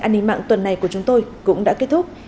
an ninh mạng tuần này của chúng tôi cũng đã kết thúc